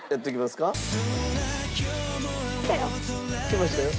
きましたよ。